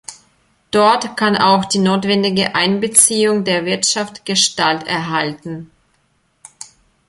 Dort kann auch die notwendige Einbeziehung der Wirtschaft Gestalt erhalten.